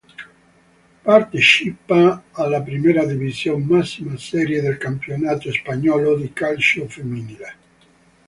Partecipa alla Primera División, massima serie del campionato spagnolo di calcio femminile.